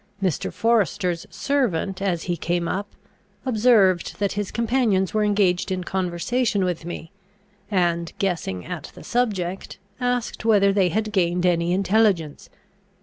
Mr. Forester's servant, as he came up, observed that his companions were engaged in conversation with me; and, guessing at the subject, asked whether they had gained any intelligence.